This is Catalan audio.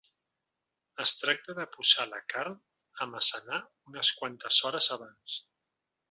Es tracta de posar la carn a macerar unes quantes hores abans.